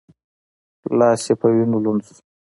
لاس یې په وینو لند شو.